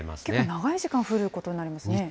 結構、長い時間、降ることになりますね。